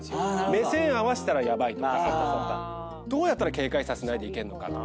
目線合わせたらヤバいとかどうやったら警戒させないでいけんのかとか。